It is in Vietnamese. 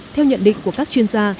theo nhận định của các chuyên gia